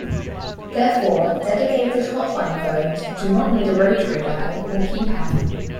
Therefore, dedicated hotline phones do not need a rotary dial or keypad.